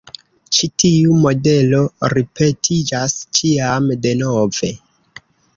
Ĉi tiu modelo ripetiĝas ĉiam denove.